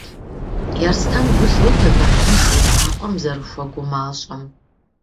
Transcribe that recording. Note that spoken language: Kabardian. Ерстэм гу лъетэ Батым Шу закъуэм зэрыхуэгумащӏэм.